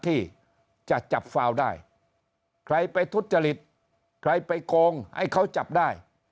ที่จะจับฟาวได้ใครไปทุจริตใครไปโกงให้เขาจับได้